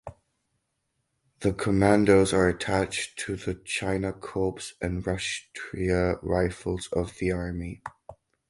The commandos are attached to the Chinar Corps and Rashtriya Rifles of the army.